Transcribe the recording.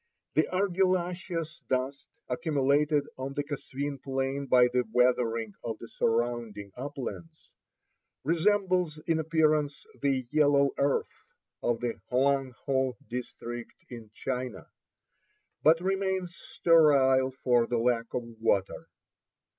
The argillaceous dust accumulated on the Kasveen plain by the weathering of the surrounding uplands resembles in appearance the "yellow earth" of the Hoang Ho district in China, but remains sterile for the lack of water.